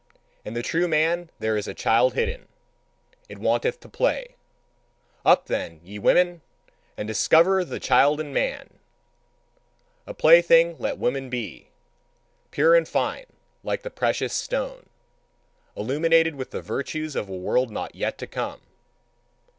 In the true man there is a child hidden: it wanteth to play. Up then, ye women, and discover the child in man! A plaything let woman be, pure and fine like the precious stone, illumined with the virtues of a world not yet come.